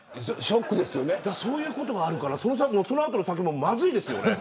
そういうことがあるから先がまずいですよね